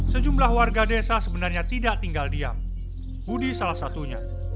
sejumlah warga desa sebenarnya tidak tinggal diam budi salah satunya